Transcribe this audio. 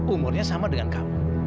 umurnya sama dengan kamu